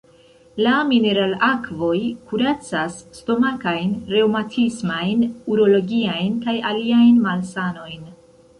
La mineralakvoj kuracas stomakajn, reŭmatismajn, urologiajn kaj aliajn malsanojn.